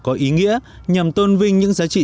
có ý nghĩa nhằm tôn vinh những giá trị